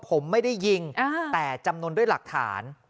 ผมไม่ได้ยิงแต่จำนวนด้วยหลักฐาน